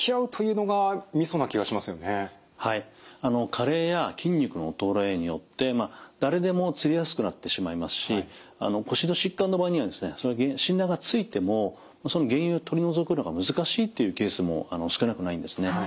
加齢や筋肉の衰えによって誰でもつりやすくなってしまいますし腰の疾患の場合にはですね診断がついてもその原因を取り除くのが難しいというケースも少なくないんですね。